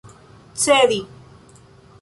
cedi